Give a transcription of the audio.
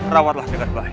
rawarlah dengan baik